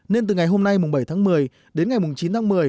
nên từ ngày hôm nay bảy tháng một mươi đến ngày chín tháng một mươi